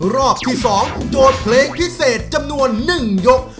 รอบที่๒โจทย์เพลงพิเศษจำนวน๑ยก